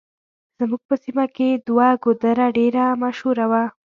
زموږ په سيمه کې دوه ګودره ډېر مشهور وو.